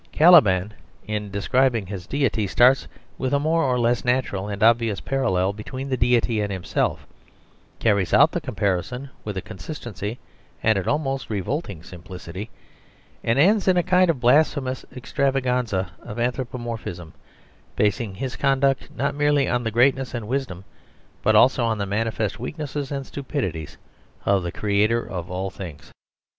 Caliban in describing his deity starts with a more or less natural and obvious parallel between the deity and himself, carries out the comparison with consistency and an almost revolting simplicity, and ends in a kind of blasphemous extravaganza of anthropomorphism, basing his conduct not merely on the greatness and wisdom, but also on the manifest weaknesses and stupidities, of the Creator of all things.